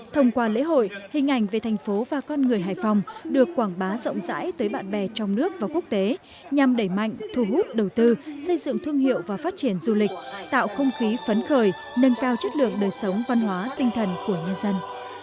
thông qua lễ hội hình ảnh về thành phố và con người hải phòng được quảng bá rộng rãi tới bạn bè trong nước và quốc tế nhằm đẩy mạnh thu hút đầu tư xây dựng thương hiệu và phát triển du lịch tạo không khí phấn khởi nâng cao chất lượng đời sống văn hóa tinh thần của nhân dân